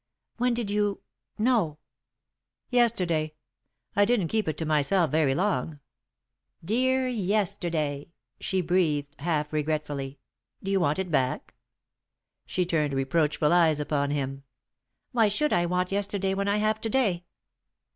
"When did you know?" "Yesterday. I didn't keep it to myself very long." [Sidenote: When Shall It Be?] "Dear yesterday!" she breathed, half regretfully. "Do you want it back?" She turned reproachful eyes upon him. "Why should I want yesterday when I have to day?"